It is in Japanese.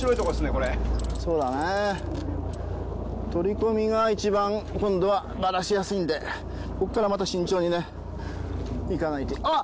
これそうだねぇ取り込みがいちばん今度はバラしやすいんでこっからまた慎重にねいかないとあっ！